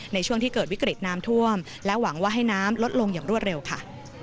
ในช่วงที่เกิดวิกฤตน้ำท่วมและหวังว่าให้น้ำลดลงอย่างรวดเร็วค่ะ